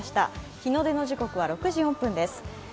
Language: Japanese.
日の出の時刻は６時４分です。